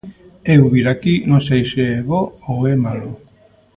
Eu vir aquí non sei se é bo ou é malo.